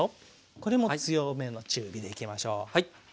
これも強めの中火でいきましょう。